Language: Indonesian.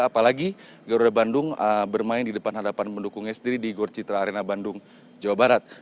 apalagi garuda bandung bermain di depan hadapan pendukungnya sendiri di gor citra arena bandung jawa barat